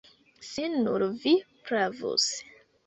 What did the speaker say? Se nur vi pravus!